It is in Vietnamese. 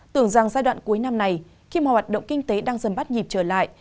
tưởng rằng giai đoạn cuối năm này khi mà hoạt động kinh tế đang dần bắt nhịp trở lại